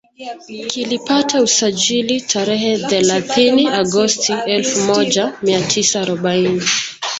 Kilipata usajili tarehe thealathini Agosti elfu moja mia tisa arobaini